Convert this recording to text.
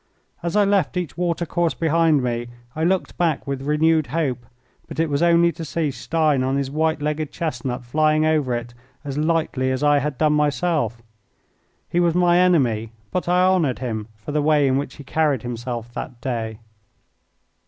As I left each water course behind me I looked back with renewed hope; but it was only to see Stein on his white legged chestnut flying over it as lightly as I had done myself. He was my enemy, but I honoured him for the way in which he carried himself that day.